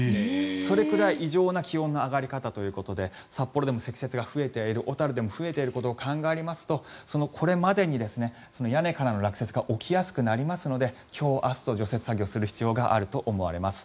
それくらい、異常な気温の上がり方ということで札幌でも積雪が増えている小樽でも増えていることを考えますとこれまで以上に屋根からの落雪が起きやすくなりますので今日明日と除雪作業をする必要があると思われます。